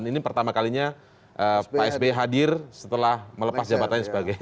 ini pertama kalinya pak sby hadir setelah melepas jabatan dan sebagainya